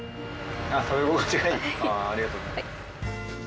ありがとうございます。